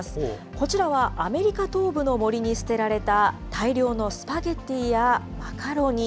こちらはアメリカ東部の森に捨てられた、大量のスパゲティやマカロニ。